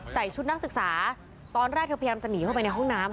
ชุดนักศึกษาตอนแรกเธอพยายามจะหนีเข้าไปในห้องน้ำ